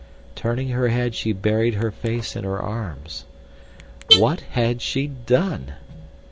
Turning her head she buried her face in her arms. What had she done?